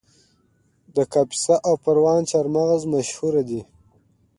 د کاپیسا او پروان چهارمغز مشهور دي